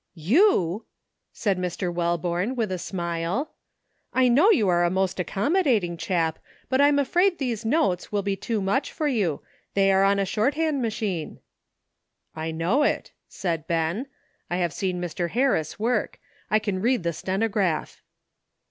"You!" said Mr. Welborne, with a smile; "I know you are a most accommodating chap, but I am afraid these notes will be too much for you. They are on a shorthand machine." "I know it," said Ben; "I have seen Mr. Harris work. I can read the stenograph."